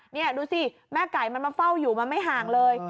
นี่ดูสิแม่ไก่มันมาเฝ้าอยู่มันไม่ห่างเลย